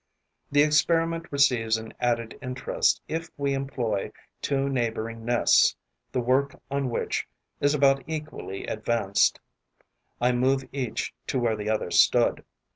The experiment receives an added interest if we employ two neighbouring nests the work on which is about equally advanced. I move each to where the other stood.